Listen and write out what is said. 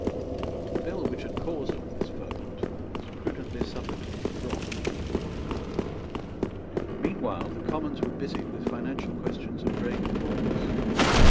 The bill which had caused all this ferment was prudently suffered to drop. Meanwhile the Commons were busied with financial questions of grave importance.